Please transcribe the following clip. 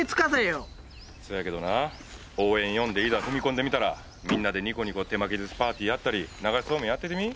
そやけどなあ応援呼んでいざ踏み込んでみたらみんなでニコニコ手巻き寿司パーティーやったり流しそうめんやっててみぃ？